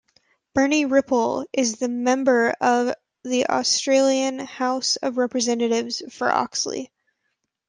Bernie Ripoll is the Member of the Australian House of Representatives for Oxley.